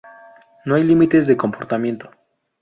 No hay límites de comportamiento.